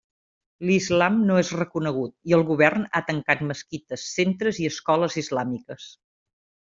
L'islam no és reconegut, i el govern ha tancat mesquites, centres i escoles islàmiques.